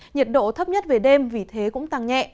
nhiệt độ thấp nhất về đêm vì thế cũng tăng nhẹ